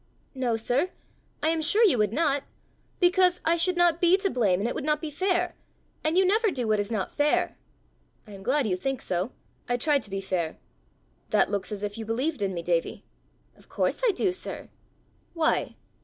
"No, sir; I am sure you would not because I should not be to blame, and it would not be fair; and you never do what is not fair!" "I am glad you think so: I try to be fair. That looks as if you believed in me, Davie!" "Of course I do, sir!" "Why?"